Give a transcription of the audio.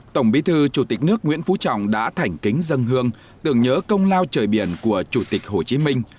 tổng bí thư chủ tịch nước nguyễn phú trọng đã thảnh kính dân hương tưởng nhớ công lao trời biển của chủ tịch hồ chí minh